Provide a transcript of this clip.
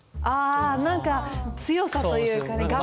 あ何か強さというかね。